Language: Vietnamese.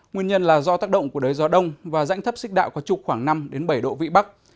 nguyên nhân là do tác động của đới gió đông và rãnh thấp xích đạo có trục khoảng năm bảy độ vị bắc